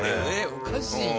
おかしいよ。